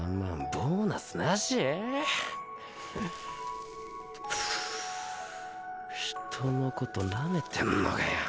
ボーナスなし⁉ふぅ人のことなめてんのかよ。